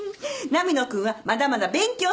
波野君はまだまだ勉強せなあかん。